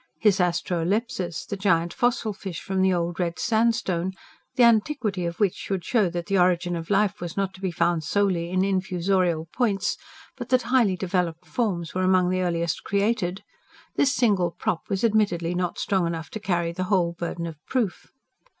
His ASTEROLEPSIS, the giant fossil fish from the Old Red Sandstone, the antiquity of which should show that the origin of life was not to be found solely in "infusorial points," but that highly developed forms were among the earliest created this single prop was admittedly not strong enough to carry the whole burden of proof.